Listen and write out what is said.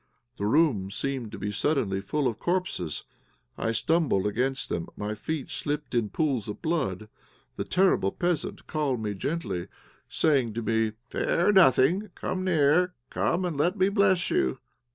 The room seemed to be suddenly full of corpses. I stumbled against them; my feet slipped in pools of blood. The terrible peasant called me gently, saying to me "Fear nothing, come near; come and let me bless you."